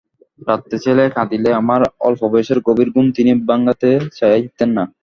রাত্রে ছেলে কাঁদিলে আমার অল্পবয়সের গভীর ঘুম তিনি ভাঙাইতে চাহিতেন না।